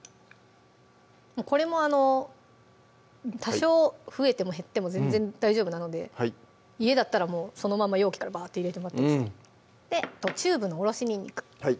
これも多少増えても減っても全然大丈夫なので家だったらもうそのまま容器からばって入れてもらってチューブのおろしにんにく